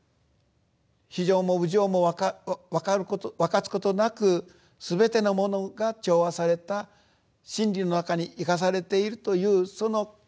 非情も有情も分かつことなくすべてのものが調和された真理の中に生かされているというその価値観